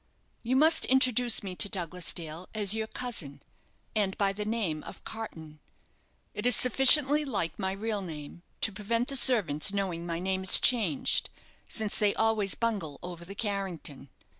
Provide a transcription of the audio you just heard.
You must introduce me to Douglas Dale as your cousin, and by the name of Carton. It is sufficiently like my real name to prevent the servants knowing my name is changed, since they always bungle over the 'Carrington.'